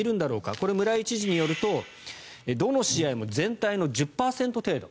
これ、村井知事によるとどの試合も全体の１０％程度。